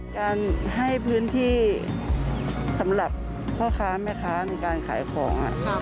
การให้พื้นที่สำหรับพ่อค้าแม่ค้าในการขายของ